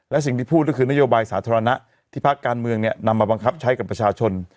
และสิ่งที่พูดก็คือนโยบายสาธารณะที่ภาคการเมืองเนี่ยนำมาบังคับใช้กับประชาชน